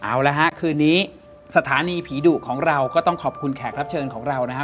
เอาละฮะคืนนี้สถานีผีดุของเราก็ต้องขอบคุณแขกรับเชิญของเรานะฮะ